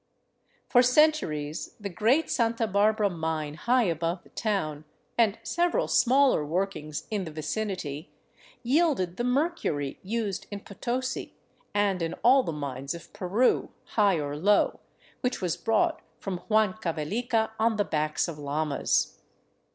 For centu ries the great Santa Barbara mine high above the town, and several smaller workings in the vicinity, yielded the mercury used in Potos i and in all the mines of Peru, High or Low, which was brought from Huancavelica on the backs of llamas.